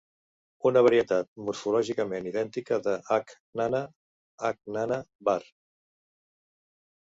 Una varietat morfològicament idèntica de "H. nana", "H. nanna" var.